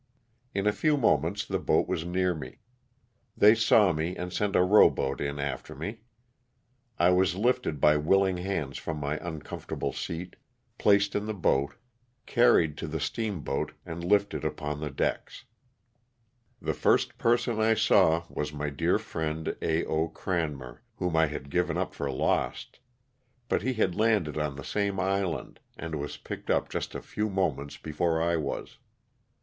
In a few moments the boat was near me. They saw me and sent a row boat in after me. I was lifted by willing hands from my uncom fortable seat, placed in the boat, carried to the steamboat and lifted upon the decks; the jBrst person I saw was my dear friend, A. 0. Cranmer, whom I had given up for lost, but he had landed on the same island and was picked up just a few moments before I was.